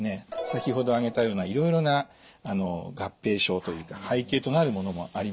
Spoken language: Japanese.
先ほど挙げたようないろいろな合併症というか背景となるものもあります。